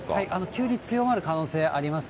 急に強まる可能性あります。